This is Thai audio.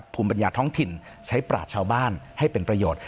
ภูมิปัญญาท้องถิ่นใช้ปราชชาวบ้านให้เป็นประโยชน์